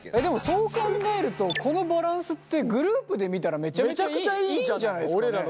そう考えるとこのバランスってグループで見たらめちゃくちゃいいんじゃないですかね。